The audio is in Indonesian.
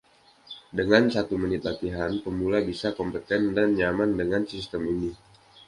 Dengan satu menit latihan, pemula bisa kompeten dan nyaman dengan sistem ini.